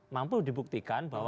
mampu dibuktikan bahwa